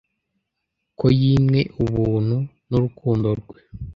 ko yimwe ubuntu n'urukundo rwe.